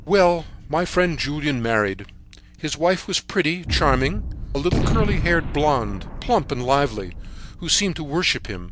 "Well, my friend Julien married. His wife was pretty, charming, a little, curly haired blonde, plump and lively, who seemed to worship him.